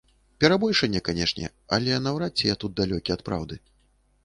Перабольшанне, канечне, але наўрад ці я тут далёкі ад праўды.